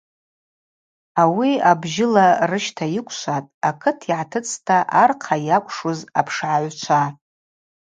Ауи абжьыла рыщта йыквшватӏ акыт йгӏатыцӏта архъа йакӏвшуз апшгӏагӏвчва.